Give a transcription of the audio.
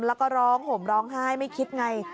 แล้วก็ร้องห่มร้องไห้ไม่คิดไง